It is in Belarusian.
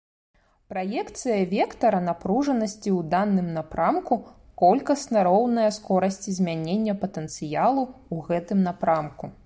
Праекцыя вектара напружанасці у даным напрамку колькасна роўная скорасці змянення патэнцыялу ў гэтым напрамку.